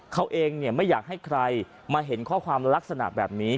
เขาเองไม่อยากให้ใครมาเห็นข้อความลักษณะแบบนี้